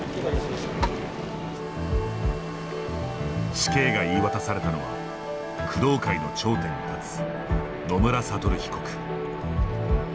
死刑が言い渡されたのは工藤会の頂点に立つ野村悟被告。